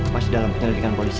masih dalam penyelidikan polisi